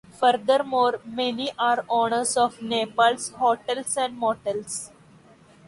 Furthermore, many are owners of Nepal's hotels and motels.